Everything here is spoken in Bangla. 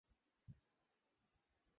ইতি টেনে দিলাম!